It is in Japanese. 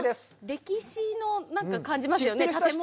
歴史のなんか感じますよね、建物？